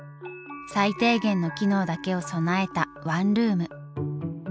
最低限の機能だけを備えたワンルーム。